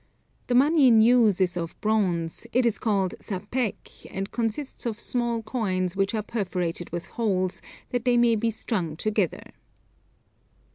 The money in use is of bronze, it is called sapèque and consists of small coins which are perforated with holes, that they may be strung together.